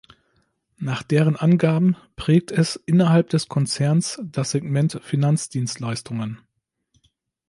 Nach deren Angaben prägt es innerhalb des Konzerns das Segment Finanzdienstleistungen.